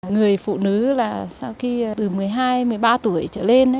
người phụ nữ là sau khi từ một mươi hai một mươi ba tuổi trở lên